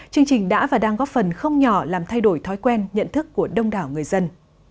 chương trình đã và đang góp phần không nhỏ làm thay đổi thói quen nhận thức của đông đảo người dân